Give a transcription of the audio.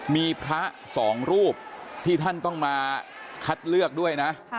มีพระสองรูปที่ท่านต้องมาคัดเลือกด้วยนะ